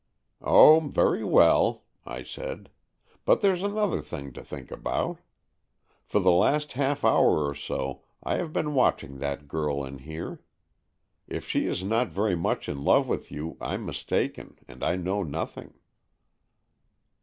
"Oh, very well!" I said. "But there's another thing to think about. For the last half hour or so I have been watching that girl in here. If she is not very much in love with you. I'm mistaken, and I know nothing."